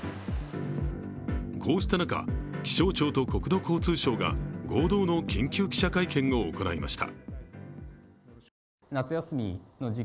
こうした中、気象庁と国土交通省が合同の緊急記者会見を行いました。